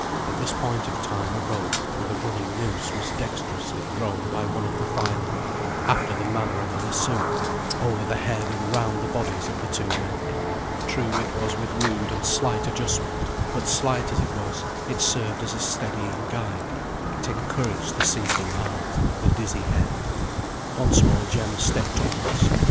At this point of time a rope, with a running noose, was dexterously thrown by one of the firemen, after the manner of a lasso, over the head and round the bodies of the two men. True, it was with rude and slight adjustment: but, slight as it was, it served as a steadying guide; it encouraged the sinking heart, the dizzy head. Once more Jem stepped onwards.